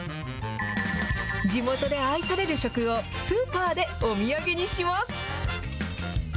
地元で愛される食を、スーパーでお土産にします。